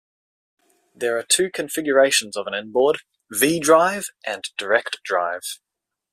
There are two configurations of an inboard, V-drive and direct drive.